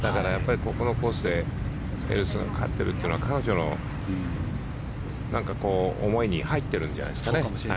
ここのコースでエルスが勝っているというのは彼女の思いに入っているんじゃないですかね。